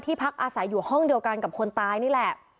พักอาศัยอยู่ห้องเดียวกันกับคนตายนี่แหละ